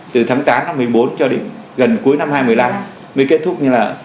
từ tháng tám năm hai nghìn một mươi bốn cho đến gần cuối năm hai nghìn một mươi năm mới kết thúc